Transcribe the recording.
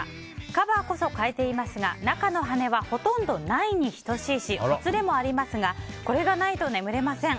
カバーこそ変えていますが中の羽根はほとんど内に等しいしほつれはありませんがこれがないと眠れません。